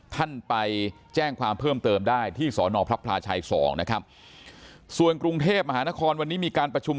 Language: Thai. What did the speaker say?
ท่านไปแจ้งความเพิ่มเติมได้ที่สอนอพระพลาชัย๒นะครับส่วนกรุงเทพมหานครวันนี้มีการประชุม